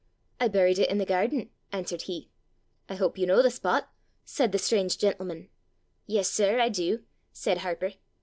'I buried it i' the gairden,' answered he. 'I hope you know the spot!' said the strange gentleman. 'Yes, sir, I do,' said Harper.